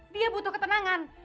dia butuh ketenangan